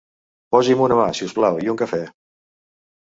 Posi'm una mà, si us plau, i un cafè.